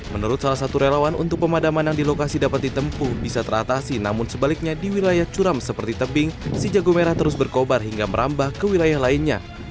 menurut salah satu relawan untuk pemadaman yang di lokasi dapat ditempuh bisa teratasi namun sebaliknya di wilayah curam seperti tebing si jago merah terus berkobar hingga merambah ke wilayah lainnya